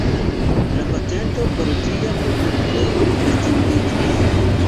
La patento por ĝia produkto estingiĝis.